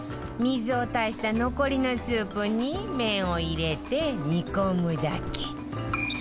水を足した残りのスープに麺を入れて煮込むだけ